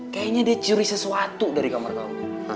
kayaknya dia curi sesuatu dari kamar kamu